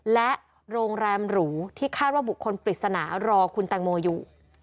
และโรงแรมหรูที่คาดว่าบุคคลปริศนารอคุณแตงโมอยู่